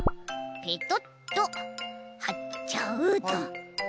ペトッとはっちゃうと。